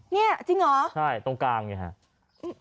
นี่จริงหรือใช่ตรงกลางอย่างนี้ฮะ